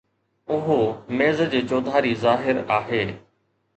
اهو ميز جي چوڌاري ظاهر آهي.